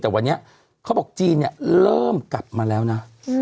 แต่วันนี้เขาบอกจีนเนี่ยเริ่มกลับมาแล้วนะ